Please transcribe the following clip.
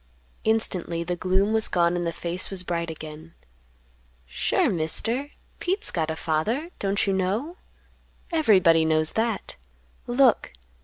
Instantly the gloom was gone and the face was bright again. "Sure, Mister, Pete's got a father; don't you know? Everybody knows that. Look!"